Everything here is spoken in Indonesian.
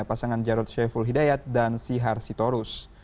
pasangan jarod syaiful hidayat dan sihar sitorus